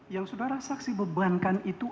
yang saudara saksi bebankan itu